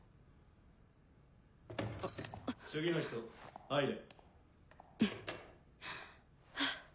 次の人入れ。